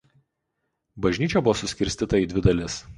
Bažnyčia buvo suskirstyta į dvi dalis.